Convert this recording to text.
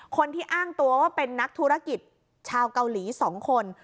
คนที่อ้างตัวว่าเป็นนักธุรกิจชาวเกาหลี๒คน